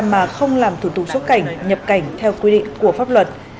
mà không làm thủ tục xuất cảnh nhập cảnh theo quy định của pháp luật